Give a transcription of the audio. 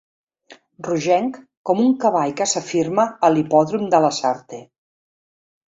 Rogenc com un cavall que s'afirma a l'hipòdrom de Lasarte.